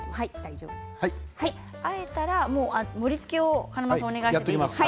あえたら盛りつけを華丸さんお願いします。